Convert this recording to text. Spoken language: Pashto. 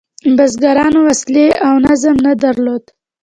بزګرانو وسلې او نظم نه درلود.